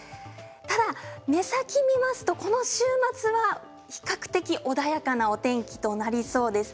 ただ目先を見ますと、この週末は比較的穏やかなお天気となりそうです。